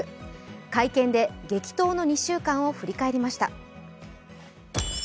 会見で激闘の２週間を振り返りました。